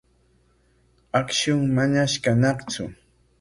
Akshun manash kañaqtsu.